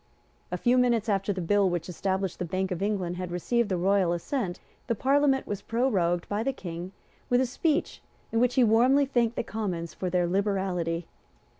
A few minutes after the bill which established the Bank of England had received the royal assent, the Parliament was prorogued by the King with a speech in which he warmly thanked the Commons for their liberality.